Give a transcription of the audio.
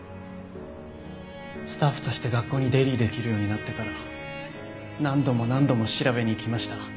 スタッフとして学校に出入りできるようになってから何度も何度も調べに行きました。